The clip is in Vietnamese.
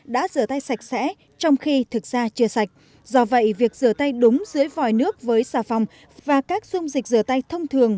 đã rửa tay sạch sẽ trong khi thực ra chưa sạch do vậy việc rửa tay đúng dưới vòi nước với xà phòng và các dung dịch rửa tay thông thường